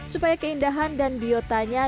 supaya keindahan dan biotanya